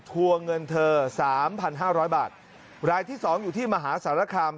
ทวงเงินเธอสามพันห้าร้อยบาทรายที่สองอยู่ที่มหาสารคาม